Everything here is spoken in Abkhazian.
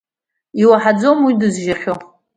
Иуаҳаӡом уи дызжьахьоу.